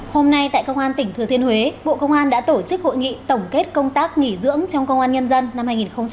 hôm nay tại công an tỉnh thừa thiên huế bộ công an đã tổ chức hội nghị tổng kết công tác nghỉ dưỡng trong công an nhân dân năm hai nghìn hai mươi ba